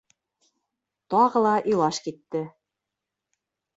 Тағы ла илаш китте.